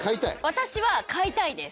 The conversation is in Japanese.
私は買いたいです。